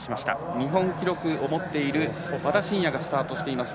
日本記録を持っている和田伸也がスタートしています。